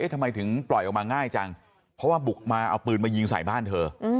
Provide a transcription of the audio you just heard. ทำไมถึงปล่อยออกมาง่ายจังเพราะว่าบุกมาเอาปืนมายิงใส่บ้านเธอ